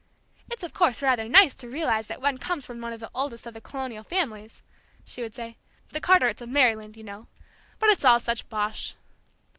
"It's of course rather nice to realize that one comes from one of the oldest of the Colonial families," she would say. "The Carterets of Maryland, you know. But it's all such bosh!"